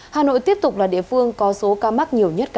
hà nội tiếp tục là địa phương có số ca mắc nhiều nhất cả